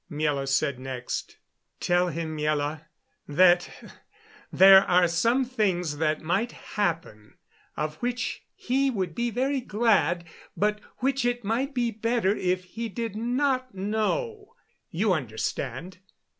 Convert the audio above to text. Miela said next. "Tell him, Miela, that there are some things that might happen of which he would be very glad, but which it might be better he did not know. You understand.